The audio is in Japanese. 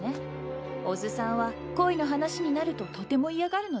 小津さんは恋の話になるととても嫌がるのです。